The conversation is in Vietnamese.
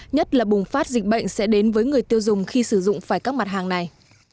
nhất là bùng phát dịch bệnh sẽ đến với người tiêu dùng khi sử dụng phải các mặt hàng này